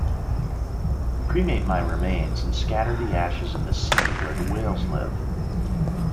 Cremate my remains and scatter the ashes in the sea where the whales live.